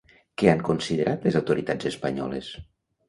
Què han considerat les autoritats espanyoles?